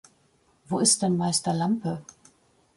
Wo ist denn Meister Lampe?